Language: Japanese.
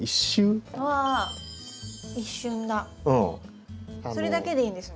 それだけでいいんですね。